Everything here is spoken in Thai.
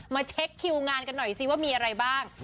เช็คคิวงานกันหน่อยสิว่ามีอะไรบ้าง